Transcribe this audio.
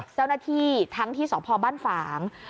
เจ้าหน้าที่ทั้งที่สพบ้านฝาง